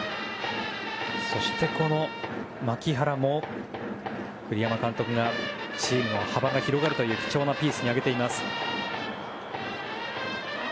そして、牧原も栗山監督がチームの幅が広がるという貴重なピースに挙げています。